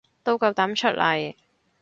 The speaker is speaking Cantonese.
都夠膽出嚟